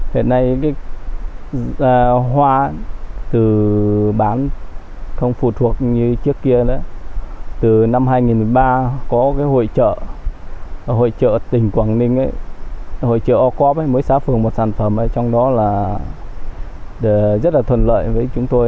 hiện nay trà hoa từ bán không phụ thuộc như trước kia từ năm hai nghìn một mươi ba có hội trợ tỉnh quảng ninh hội trợ o cop mới xá phường một sản phẩm trong đó rất là thuận lợi với chúng tôi